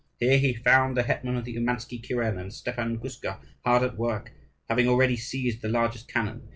Here he found the hetman of the Oumansky kuren, and Stepan Guska, hard at work, having already seized the largest cannon.